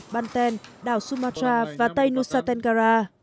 banten đảo sumatra và tây nusa tenggara